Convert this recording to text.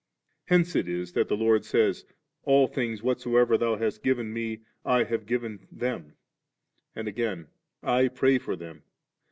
Hence it is that the Lord says, * All things whatsoever Thou hast given Jle, I have given them,' and again, * I pray for them*.'